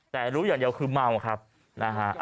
แต่รู้อย่างเดียวคือเมาครับนะฮะ